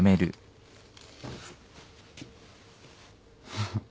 フフッ。